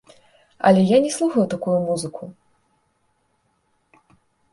Але я не слухаю такую музыку.